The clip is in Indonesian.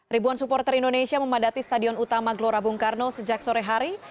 ribuan supporter indonesia memadati stadion utama gelora bung karno sejak sore hari